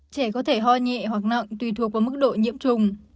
trẻ có thể ho nhẹ hoặc nặng tùy thuộc vào mức độ nhiễm trùng